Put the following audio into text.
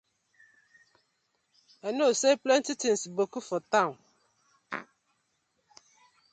I kno say plenty tinz boku for town.